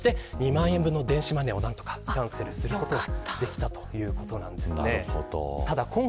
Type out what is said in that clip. その後、警察は通販サイトなどに連絡して２万円分の電子マネーを何とかキャンセルすることができたということです。